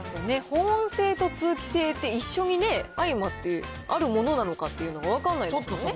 保温性と通気性って、一緒にね、相まってあるものなのかっていうのが分かんないですもんね。